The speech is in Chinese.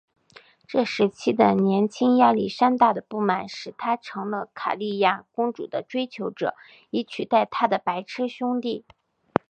这时期的年轻亚历山大的不满使他成了卡里亚公主的追求者以取代他的白痴兄弟。